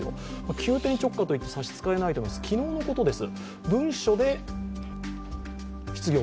急転直下と言って差し支えないと思います、昨日のことです。